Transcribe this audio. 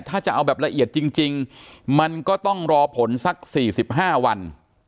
ถ้าจะเอาแบบละเอียดจริงมันก็ต้องรอผลสัก๔๕วัน